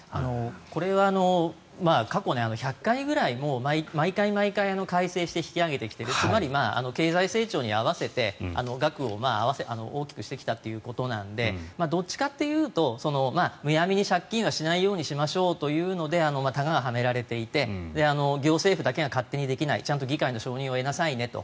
これは過去１００回ぐらい毎回毎回、改正して引き上げてきているつまり、経済成長に合わせて額を大きくしてきたということなのでどっちかというとむやみに借金はしないようにしましょうというのでたががはめられていて行政府だけが勝手にできないちゃんと議会の承認を得なさいねと。